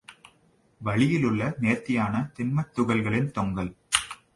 வளியிலுள்ள நேர்த்தியான திண்மத் துகள்களின் தொங்கல்.